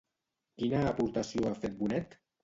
Quina aportació ha fet Bonet?